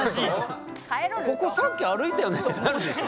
「ここさっき歩いたよね」ってなるでしょ。